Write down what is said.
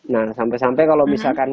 nah sampai sampai kalau misalkan